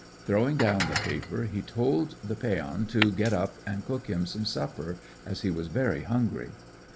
Throwing down the paper he told the Peon to get up and cook him some supper, as he was very hungry.